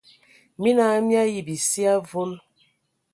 Mina hm mii ayi bisie avol.